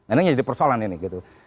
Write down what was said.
ini menjadi persoalan ini gitu